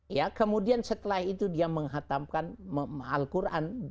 ya kemudian setelah itu dia menghatamkan al quran